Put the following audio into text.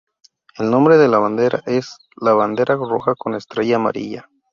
El nombre de la bandera es "La Bandera roja con estrella amarilla".